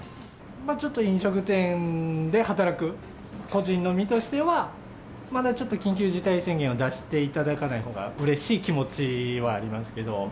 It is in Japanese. ちょっと飲食店で働く個人の身としては、まだちょっと緊急事態宣言を出していただかないほうがうれしい気持ちはありますけど。